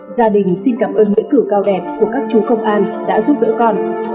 gia đình xin cảm ơn nghĩa cử cao đẹp của các chú công an đã giúp đỡ con